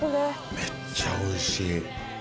めっちゃおいしい。